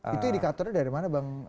itu indikatornya dari mana bang